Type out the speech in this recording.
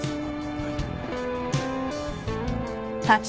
はい。